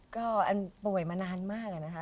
ก็อันป่วยมานานมากอะนะคะ